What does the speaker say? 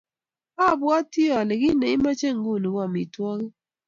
Abwoti ale kit ne imoche inguni ko amitwogik.